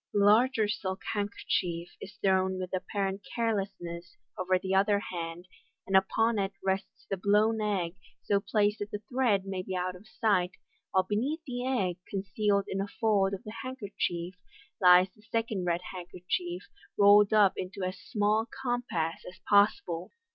The larger silk handkerchief is thrown with apparent carelessness over the other hand, and upon it rests the blown eggt so placed that the thread may be out of sight, while beneath the egg, concealed in a fold of the handkerchief, lies the second red handkerchief, rolled up into as small a compass as possible.